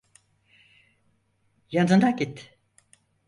Yanına git.